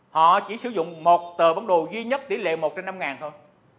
họ chỉ sử dụng một tờ bản đồ duy nhất tỷ lệ một trên năm thôi